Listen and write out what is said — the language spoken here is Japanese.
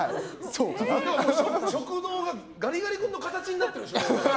食道がガリガリ君の形になってるでしょ。